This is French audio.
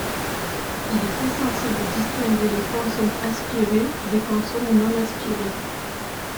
Il est essentiel de distinguer les consonnes aspirées de consonnes non aspirées.